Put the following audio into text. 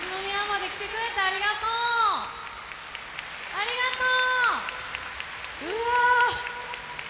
ありがとう！